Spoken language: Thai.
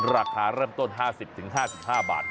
ราคาเริ่มต้น๕๐๕๕บาท